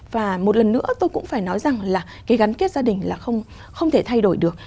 và một lần nữa tôi cũng phải nói rằng là cái gắn kết gia đình là không thể thay đổi được